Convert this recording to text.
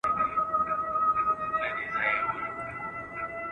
که مینه وي نو زده کړه نه مري.